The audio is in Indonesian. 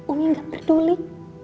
umi gak peduli